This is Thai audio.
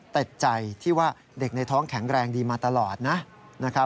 แต่ใจที่ว่าเด็กในท้องแข็งแรงดีมาตลอดนะครับ